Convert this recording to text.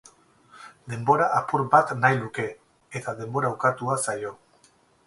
Denbora apur bat nahi luke, eta denbora ukatua zaio.